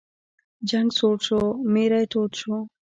جنګ سوړ شو، میری تود شو.